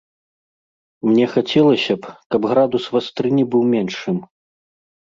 Мне хацелася б, каб градус вастрыні быў меншым.